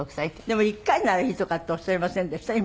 でも１回ならいいとかっておっしゃいませんでした？